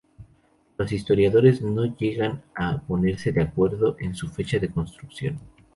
Los historiadores no llegan a ponerse de acuerdo en su fecha de construcción.